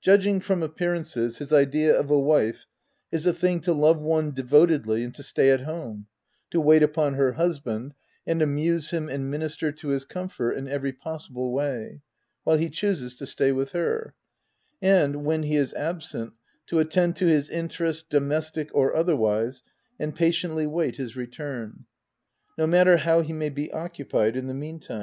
Judging from appearances, his idea of a wife is a thing to love one devotedly and to stay at home — to wait upon her husband, and amuse him and minister to his comfort in every possi ble way, while he chooses to stay with her; and, when he is absent, to attend to his in terests, domestic or otherwise, and patiently wait his return ; no matter how he may be oc cupied in the meantime.